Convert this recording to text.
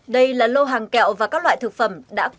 đây là lô hàng kẹo và các loại thực phẩm